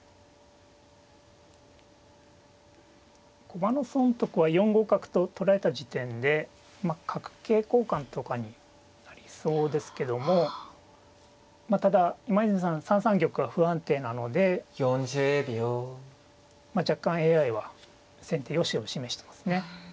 駒の損得は４五角と取られた時点で角桂交換とかになりそうですけどもまあただ今泉さん３三玉は不安定なので若干ＡＩは先手よしを示してますね。